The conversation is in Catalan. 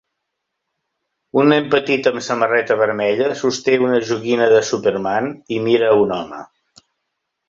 Un nen petit amb samarreta vermella sosté una joguina de Superman i mira a un home.